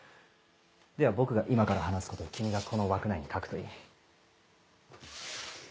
では僕が今から話すことを君がこの枠内に書くといい。